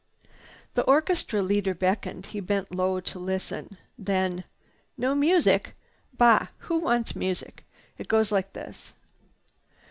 The orchestra leader beckoned. He bent low to listen. Then, "No music? Bah! Who wants music? It goes like this!"